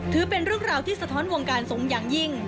ถือเป็นเรื่องราวที่สะท้อนวงการสงฆ์อย่างยิ่ง